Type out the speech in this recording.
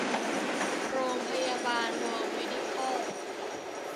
โรงพยาบาลเวิลด์เมดิคอล